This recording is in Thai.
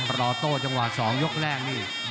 รอโต้จังหวะ๒ยกแรกนี่